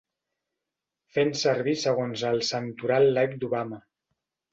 Fent servir segons el santoral laic d'Obama.